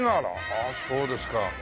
ああそうですか。